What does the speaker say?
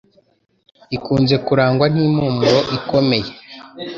ikunze kurangwa n'impumuro ikomeye